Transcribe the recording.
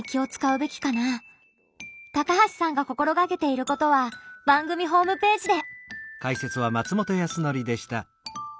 高橋さんが心がけていることは番組ホームページで。